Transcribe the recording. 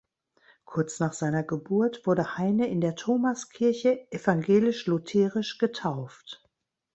Kurz nach seiner Geburt wurde Heine in der Thomaskirche evangelisch-lutherisch getauft.